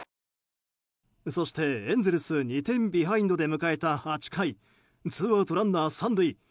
そして、エンゼルス２点ビハインドで迎えた８回ツーアウト、ランナー３塁。